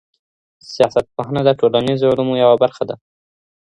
سیاستپوهنه د ټولنیزو علومو یوه برخه ده.